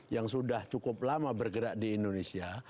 yang sudah cukup lama bergerak di indonesia